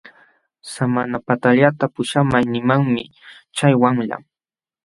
Samanapatallata puśhamay nimanmi chay wamla.